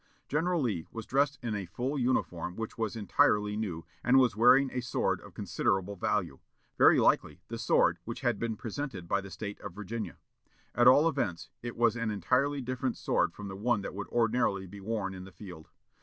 "General Lee was dressed in a full uniform which was entirely new, and was wearing a sword of considerable value, very likely the sword which had been presented by the State of Virginia; at all events, it was an entirely different sword from the one that would ordinarily be worn in the field.